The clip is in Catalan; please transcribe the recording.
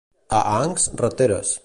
A Ancs, rateres.